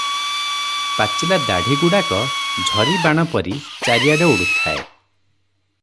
ପାଚିଲା ଦାଢ଼ି ଗୁଡାକ ଝରିବାଣପରି ଚାରିଆଡ଼େ ଉଡୁଥାଏ ।